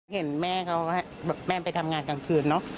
เห็นแม่เขาแบบแม่ไปทำงานกลางคืนเนอะ